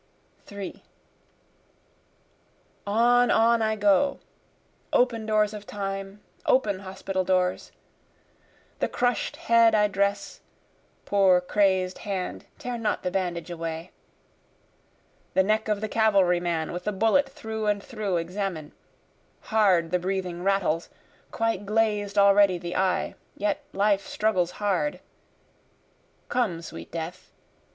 3 On, on I go, (open doors of time! open hospital doors!) The crush'd head I dress, (poor crazed hand tear not the bandage away,) The neck of the cavalry man with the bullet through and through examine, Hard the breathing rattles, quite glazed already the eye, yet life struggles hard, (Come sweet death!